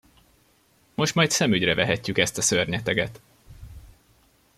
Most majd szemügyre vehetjük ezt a szörnyeteget!